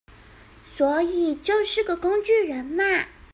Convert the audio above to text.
所以就是個工具人嘛